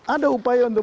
ada upaya untuk